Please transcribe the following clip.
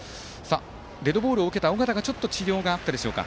デッドボールを受けた尾形の治療があったでしょうか